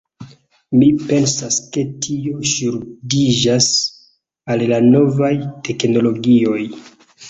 Mi pensas ke tio ŝuldiĝas al la novaj teknologioj.